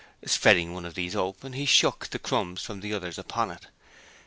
Spreading one of these open, he shook the crumbs from the others upon it.